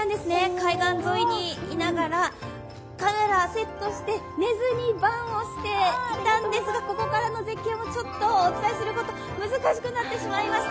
海岸沿いにいながらカメラセットして寝ずに番をしていたんですがここからの絶景はお伝えすることが難しくなってしまいました。